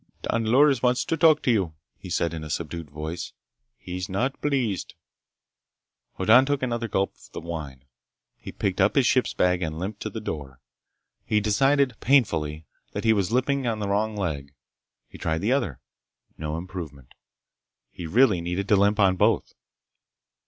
"Don Loris wants to talk to you," he said in a subdued voice. "He's not pleased." Hoddan took another gulp of the wine. He picked up his ship bag and limped to the door. He decided painfully that he was limping on the wrong leg. He tried the other. No improvement. He really needed to limp on both.